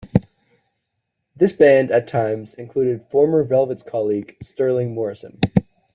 This band at times included former Velvets colleague Sterling Morrison.